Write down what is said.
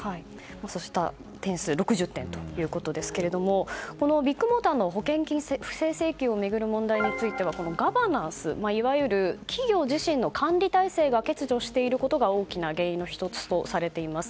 そうした点数６０点ということですけれどもビッグモーターの保険金不正請求を巡る問題についてはガバナンスいわゆる企業自身の管理体制が欠如していることが大きな原因の１つとされています。